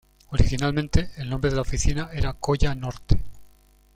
Originalmente, el nombre de la oficina era Coya Norte.